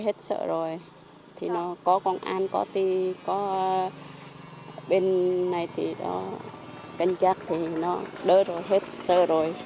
hết sợ rồi thì nó có công an có ti có bên này thì đó cảnh giác thì nó đỡ rồi hết sợ rồi